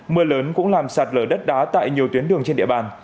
mưa lớn cũng làm sạt lở đất đá tại nhiều tuyến đường trên địa bàn